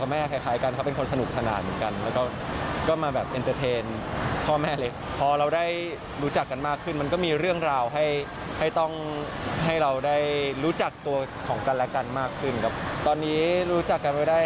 มันก็ทำให้เราได้รู้จักกันขึ้นมากขึ้นครับตอนนี้รู้จัก